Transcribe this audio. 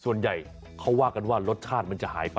ส่วนใหญ่เขาว่ากันว่ารสชาติมันจะหายไป